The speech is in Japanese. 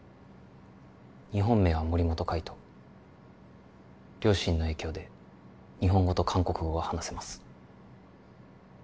日本名は森本海斗両親の影響で日本語と韓国語が話せます